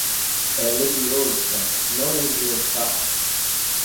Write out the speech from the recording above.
É LeviÔsa, não LeviosÁ